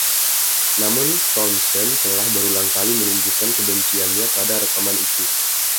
Namun, Townsend telah berulang kali menunjukkan kebenciannya pada rekaman itu.